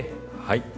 はい。